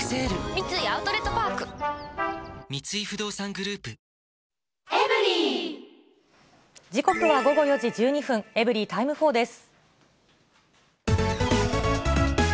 三井アウトレットパーク三井不動産グループ時刻は午後４時１２分、エブリィタイム４です。